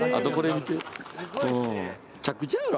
むちゃくちゃやろ？